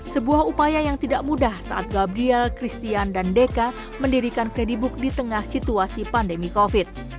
sebuah upaya yang tidak mudah saat gabriel christian dan deka mendirikan kredibook di tengah situasi pandemi covid